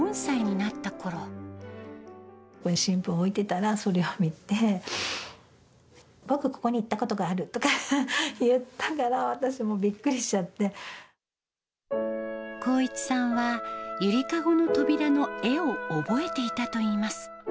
新聞を置いてたら、それを見て、僕、ここに行ったことがあるとか言ったから、私、もうびっくりしちゃ航一さんは、ゆりかごの扉の絵を覚えていたといいます。